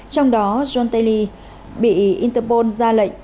trong đó jong tae li bị interpol ra lệnh